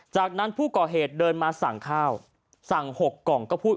จากนั้นผู้ก่อเหตุเดินมาสั่งข้าวสั่ง๖กล่องก็พูด